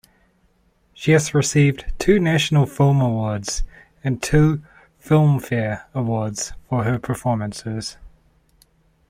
She has received two National Film Awards and two Filmfare Awards for her performances.